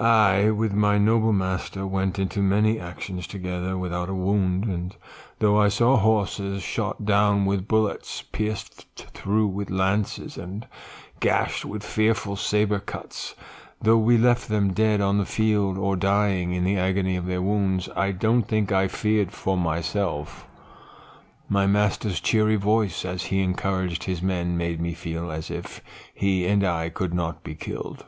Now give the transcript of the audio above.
"I, with my noble master, went into many actions together without a wound; and though I saw horses shot down with bullets, pierced through with lances, and gashed with fearful saber cuts; though we left them dead on the field, or dying in the agony of their wounds, I don't think I feared for myself. My master's cheery voice, as he encouraged his men, made me feel as if he and I could not be killed.